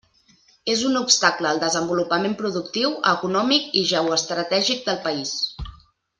És un obstacle al desenvolupament productiu, econòmic i geoestratègic del país.